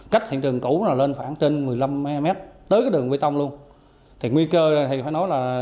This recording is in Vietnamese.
cách thị trường cũ là lên khoảng trên một mươi năm m tới cái đường bê tông luôn thì nguy cơ thì phải nói là